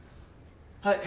はい！